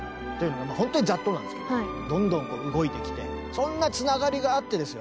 ほんとにざっとなんですけれどもどんどん動いてきてそんなつながりがあってですよ